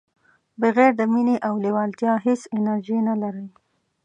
بغیر د مینې او لیوالتیا هیڅ انرژي نه لرئ.